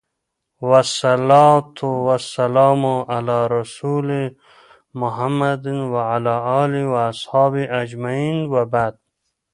والصلوة والسلام على رسوله محمد وعلى اله واصحابه اجمعين وبعد